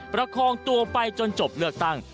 ประคองตัวไปจนจบเลือกตั้ง